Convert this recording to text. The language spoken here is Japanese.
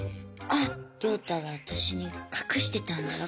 あっ亮太が私に隠してたんだわ